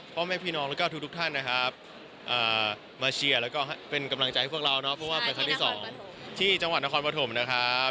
เพราะว่าเป็นครั้งที่สองที่จังหวัดนครปฐมนะครับ